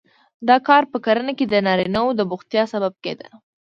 دا کار په کرنه کې د نارینه وو د بوختیا سبب کېده